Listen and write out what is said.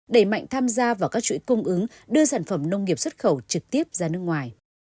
đẩy mạnh tham gia vào các chuỗi cung ứng đưa sản phẩm nông nghiệp xuất khẩu trực tiếp ra nước ngoài